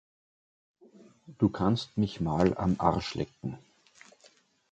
Du kannst mich mal am Arsch lecken!